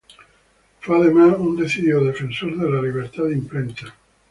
Fue, además, un decidido defensor de la libertad de imprenta.